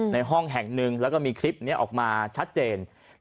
ในห้องแห่งหนึ่งแล้วก็มีคลิปนี้ออกมาชัดเจน